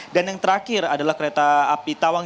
dan yang terakhir adalah kereta api tawang